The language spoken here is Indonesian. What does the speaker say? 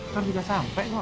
kan udah sampai kok